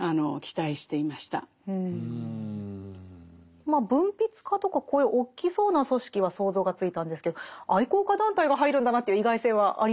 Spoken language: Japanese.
まあ文筆家とかこういう大きそうな組織は想像がついたんですけど愛好家団体が入るんだなという意外性はありますよね。